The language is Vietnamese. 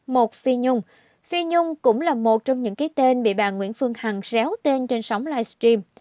một phi nhung phi nhung cũng là một trong những cái tên bị bà nguyễn phương hằng xéo tên trên sóng livestream